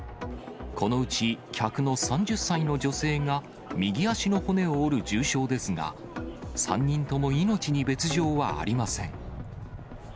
このうち客の３０歳の女性が右足の骨を折る重傷ですが、３人とも命に別状はありません。